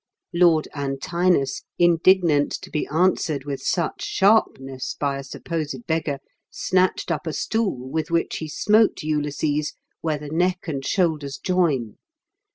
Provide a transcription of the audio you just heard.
Lord Antinous, indignant to be answered with such sharpness by a supposed beggar, snatched up a stool, with which he smote Ulysses where the neck and shoulders join.